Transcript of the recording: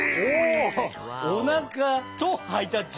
おなかとハイタッチ！